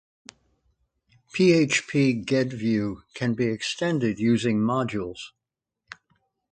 PhpGedView can be extended using modules.